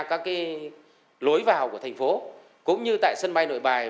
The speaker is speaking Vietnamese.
các lối vào của thành phố cũng như tại sân bay nội bài